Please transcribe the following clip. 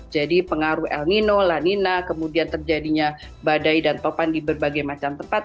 jadi pengaruh el nino la nina kemudian terjadinya badai dan topan di berbagai macam tempat